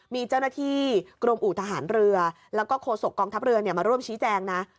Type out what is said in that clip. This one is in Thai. มีเจ้าหน้าที่กรมอู่ทหารเรือแล้วก็โฆษกองทัพเรือมาร่วมชี้แจงนะ